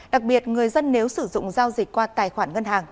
đặc biệt người dân nếu sử dụng giao dịch qua tài khoản ngân hàng